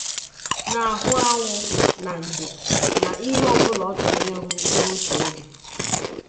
na-ahụ anwụ na ndò na ihe ọbụla ọ chọrọ ịhụ n'otu oge